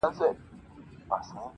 خو ستا پر شونډو به ساتلی یمه -